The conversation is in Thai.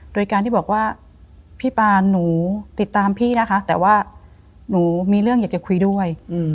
โดยการที่บอกว่าพี่ปานหนูติดตามพี่นะคะแต่ว่าหนูมีเรื่องอยากจะคุยด้วย